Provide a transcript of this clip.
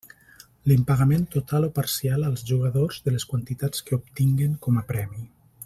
L'impagament total o parcial, als jugadors, de les quantitats que obtinguen com a premi.